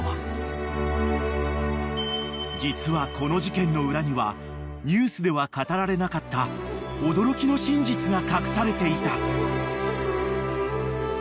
［実はこの事件の裏にはニュースでは語られなかった驚きの真実が隠されていた］